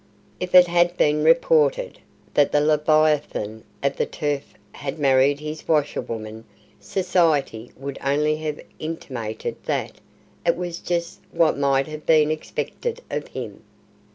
If it had been reported that the Leviathan of the Turf had married his washerwoman, Society would only have intimated that "it was just what might have been expected of him".